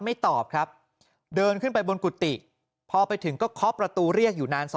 ตอบครับเดินขึ้นไปบนกุฏิพอไปถึงก็เคาะประตูเรียกอยู่นาน